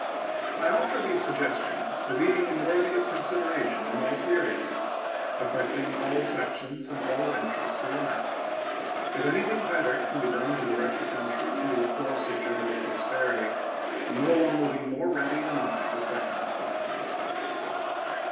I offer these suggestions, believing them worthy of consideration, in all seriousness, affecting all sections and all interests alike. If anything better can be done to direct the country into a course of general prosperity, no one will be more ready than I to second the plan.